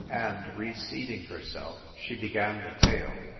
And, re seating herself, she began the tale.